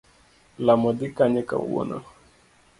lamo dhi kanye kawuono.